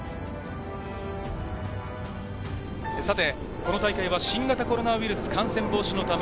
この大会や新型コロナウイルス感染防止のため。